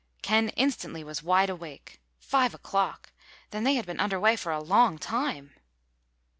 Ken instantly was wide awake. Five o'clock! Then they had been underway for a long time.